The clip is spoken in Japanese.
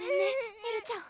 エルちゃん